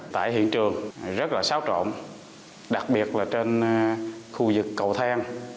tại hiện trường rất là xáo trộn đặc biệt là trên khu vực cầu thang